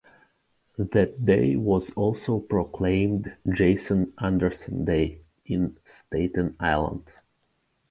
That day was also proclaimed "Jason Anderson Day" in Staten Island.